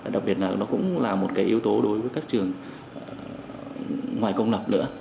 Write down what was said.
đặc biệt là nó cũng là một cái yếu tố đối với các trường ngoài công lập nữa